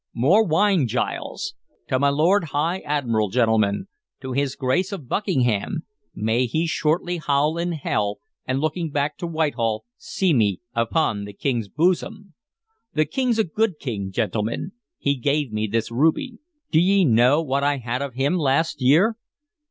More wine, Giles! To my Lord High Admiral, gentlemen! To his Grace of Buckingham! May he shortly howl in hell, and looking back to Whitehall see me upon the King's bosom! The King 's a good king, gentlemen! He gave me this ruby. D' ye know what I had of him last year?